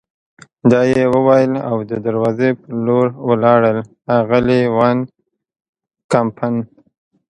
دا یې وویل او د دروازې په لور ولاړل، اغلې وان کمپن.